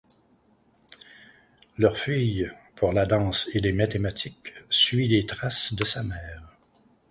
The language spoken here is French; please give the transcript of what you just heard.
Leur fille, pour la danse et les mathématiques, suit les traces de sa mère.